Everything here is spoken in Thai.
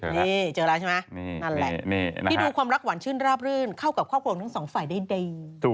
นี่เจอแล้วใช่ไหมนั่นแหละที่ดูความรักหวานชื่นราบรื่นเข้ากับครอบครัวของทั้งสองฝ่ายได้ดี